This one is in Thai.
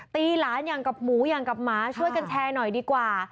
ตีหลานอย่างกับหมูอย่างกับหมาช่วยกันแชร์หน่อยดีกว่า